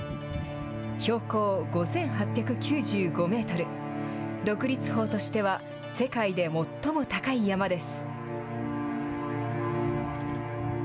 標高５８９５メートル、独立峰としては世界で最も高い山です。